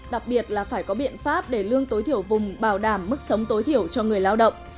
đặc biệt là phải có biện pháp để lương tối thiểu vùng bảo đảm mức sống tối thiểu cho người lao động